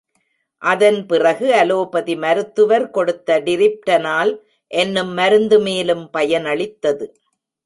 அதன் பிறகு அலோபதி மருத்துவர் கொடுத்த டிரிப்ட னால் என்னும் மருந்து மேலும் பயனளித்தது.